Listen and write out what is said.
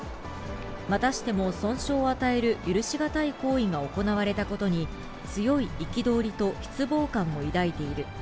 またしても損傷を与える許し難い行為が行われたことに、強い憤りと失望感を抱いている。